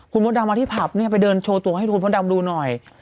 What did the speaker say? คุณมดดำมาที่ผับเนี่ยไปเดินโชว์ตัวให้คุณพ่อดำดูหน่อย